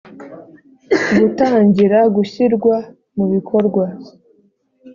Gutangira gushyirwa mu bikorwa